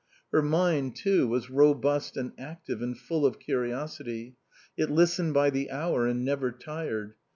Her mind, too, was robust and active, and full of curiosity; it listened by the hour and never tired.